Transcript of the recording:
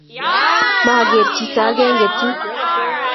maaker chito akenge tuu